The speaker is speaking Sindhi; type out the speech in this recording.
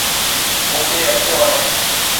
مون کي اکيون آهن.